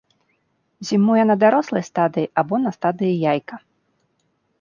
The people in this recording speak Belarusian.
Зімуе на дарослай стадыі або на стадыі яйка.